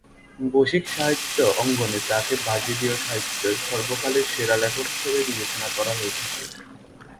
বৈশ্বিক সাহিত্য অঙ্গনে তাকে ব্রাজিলীয় সাহিত্যে সর্বকালের সেরা লেখক হিসেবে বিবেচনা করা হয়ে থাকে।